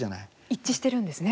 一致してるんですね